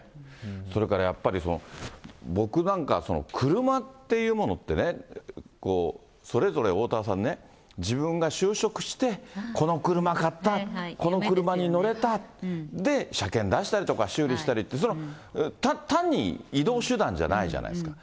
それからやっぱり、僕なんか車っていうものってね、それぞれ、おおたわさんね、自分が就職して、この車買った、この車に乗れた、で、車検出したりとか、修理したりって、単に移動手段じゃないじゃないですか。